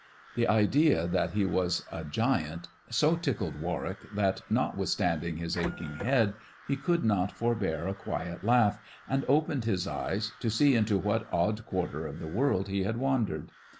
The idea that he was a giant so tickled Warwick, that, notwithstanding his aching head, he could not forbear a quiet laugh, and opened his eyes to see into what odd quarter of the world he had wandered.